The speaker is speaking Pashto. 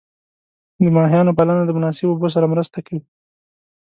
د ماهیانو پالنه د مناسب اوبو سره مرسته کوي.